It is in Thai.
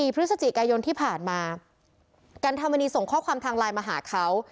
พฤศจิกายนที่ผ่านมากันธรรมนีส่งข้อความทางไลน์มาหาเขา